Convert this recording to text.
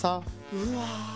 うわ。